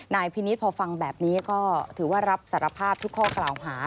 พินิษฐ์พอฟังแบบนี้ก็ถือว่ารับสารภาพทุกข้อกล่าวหา